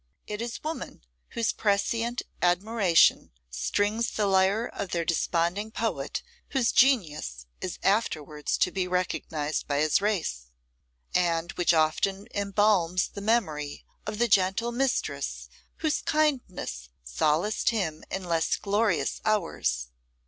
It is woman whose prescient admiration strings the lyre of the desponding poet whose genius is afterwards to be recognised by his race, and which often embalms the memory of the gentle mistress whose kindness solaced him in less glorious hours.